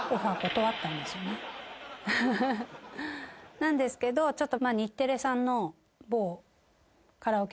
なんですけどちょっと。